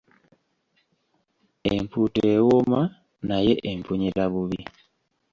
Empuuta ewooma naye empunyira bubi.